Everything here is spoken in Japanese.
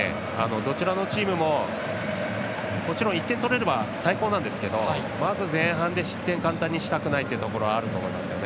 どちらのチームももちろん１点取れれば最高なんですけど、まず前半で失点を簡単にしたくないというところはあると思いますね。